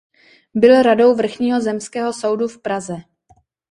Byl radou vrchního zemského soudu v Praze.